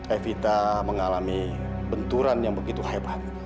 evita mengalami benturan yang begitu hebat